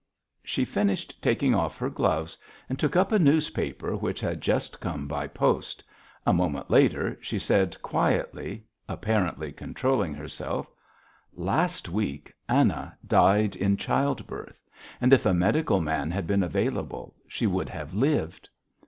She finished taking off her gloves and took up a newspaper which had just come by post; a moment later, she said quietly, apparently controlling herself: "Last week Anna died in childbirth, and if a medical man had been available she would have lived.